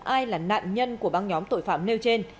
ai là nạn nhân của băng nhóm tội phạm nêu trên